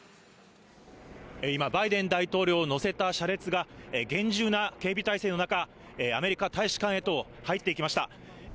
今、バイデン大統領を乗せた車列が、厳重な警備体制の中、アメリカ大使館へと入っていきました。